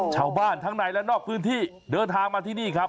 ชาวบ้านทั้งในและนอกพื้นที่เดินทางมาที่นี่ครับ